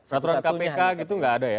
aturan kpk gitu nggak ada ya